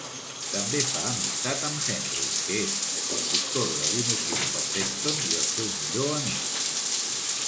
També fa amistat amb Henry, que és el conductor de la limusina de Preston i el seu millor amic.